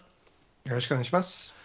よろしくお願いします。